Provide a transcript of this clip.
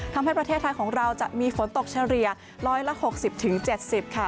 ทำให้ประเทศไทยของเราจะมีฝนตกเฉลี่ย๑๖๐๗๐ค่ะ